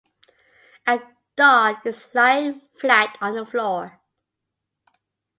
A dog is lying flat on the floor